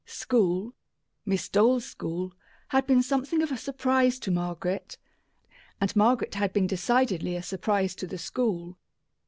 School Miss Dole's school had been something of a surprise to Margaret; and Margaret had been decidedly a surprise to the school.